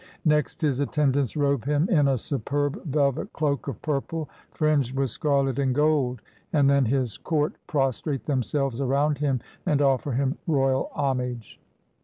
Next his attendants robe him in a superb velvet cloak of purple, fringed with scarlet and gold; and then his court prostrate themselves around him and offer him royal homage.